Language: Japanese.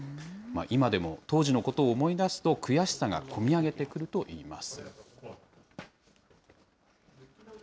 今でも当時のことを思い出すと、悔しさがこみあげてくるといいます。